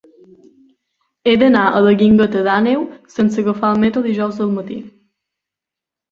He d'anar a la Guingueta d'Àneu sense agafar el metro dijous al matí.